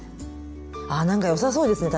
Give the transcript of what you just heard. あなんかよさそうですね